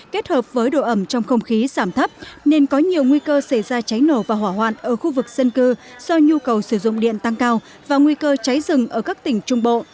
kết hợp với độ ẩm trong không khí giảm thấp nên có nhiều nguy cơ xảy ra cháy nổ và hỏa hoạn ở khu vực dân cư do nhu cầu sử dụng điện tăng cao và nguy cơ cháy rừng ở các tỉnh trung bộ